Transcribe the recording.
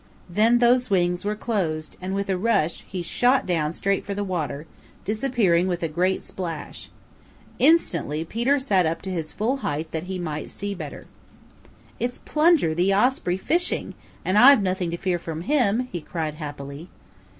Then those wings were closed and with a rush he shot down straight for the water, disappearing with a great splash. Instantly Peter sat up to his full height that he might see better. "It's Plunger the Osprey fishing, and I've nothing to fear from him," he cried happily.